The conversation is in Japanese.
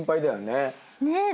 ねえ。